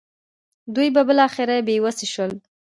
دوی به بالاخره بې وسه شول.